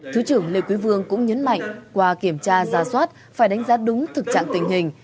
thứ trưởng lê quý vương cũng nhấn mạnh qua kiểm tra ra soát phải đánh giá đúng thực trạng tình hình